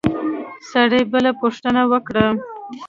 سړي بله پوښتنه وکړه.